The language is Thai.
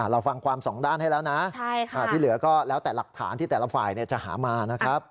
เราฟังความสองด้านให้แล้วนะที่เหลือก็แล้วแต่หลักฐานที่แต่ละฝ่ายจะหามานะครับ